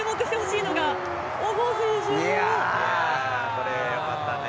これよかったね。